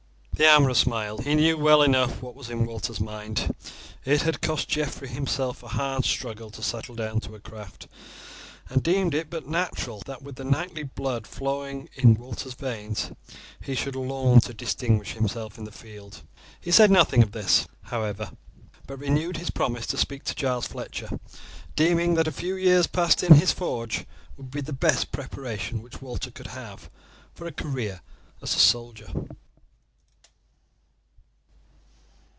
The armourer smiled; he knew well enough what was in Walter's mind. It had cost Geoffrey himself a hard struggle to settle down to a craft, and deemed it but natural that with the knightly blood flowing in Walter's veins he should long to distinguish himself in the field. He said nothing of this, however, but renewed his promise to speak to Giles Fletcher, deeming that a few years passed in his forge would be the best preparation which Walter could have for a career as a soldier.